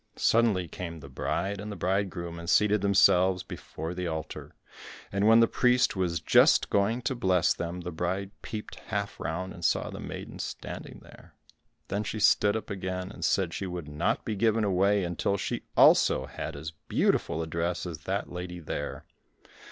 Suddenly came the bride and bridegroom, and seated themselves before the altar, and when the priest was just going to bless them, the bride peeped half round and saw the maiden standing there. Then she stood up again, and said she would not be given away until she also had as beautiful a dress as that lady there.